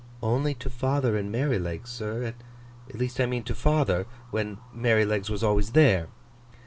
'Only to father and Merrylegs, sir. At least I mean to father, when Merrylegs was always there.